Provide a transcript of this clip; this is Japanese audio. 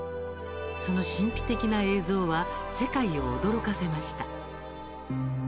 その神秘的な映像は世界を驚かせました。